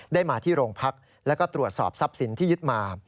มาที่โรงพักแล้วก็ตรวจสอบทรัพย์สินที่ยึดมา